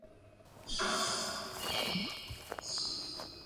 The speaker usually wears a black robe, and in many countries, a wig.